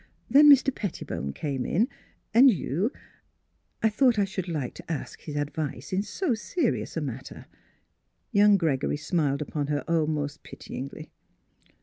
Then Mr. Pettibone came in and you — I thought I should like to ask his advice in so serious a mat ter." Young Gregory smiled upon her almost pityingly.